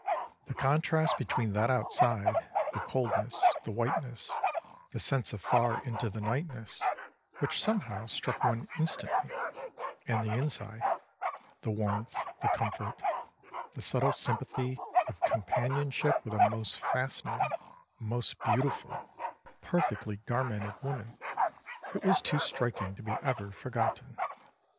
The contrast between that outside, the coldness, the whiteness, the sense of far into the nightness, which somehow struck one instantly; and the inside, the warmth, the comfort, the subtle sympathy of companionship with a most fascinating, most beautiful, perfectly garmented woman: it was too striking to be ever forgotten.